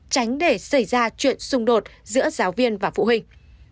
tránh để xảy ra chuyện xung đột giữa giáo viên và phụ huynh